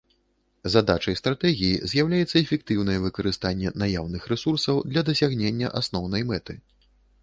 Задачай стратэгіі з'яўляецца эфектыўнае выкарыстанне наяўных рэсурсаў для дасягнення асноўнай мэты.